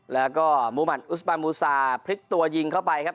แล้วก็มูมันอุสปานมูซาพลิกตัวยิงเข้าไปครับ